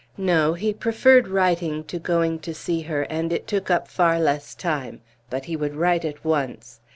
No, he preferred writing to going to see her, and it took up far less time. But he would write at once.